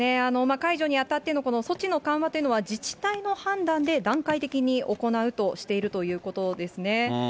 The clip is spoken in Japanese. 解除にあたっての措置の緩和というのは自治体の判断で段階的に行うとしているということですね。